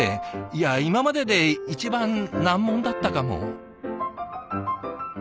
いや今までで一番難問だったかも。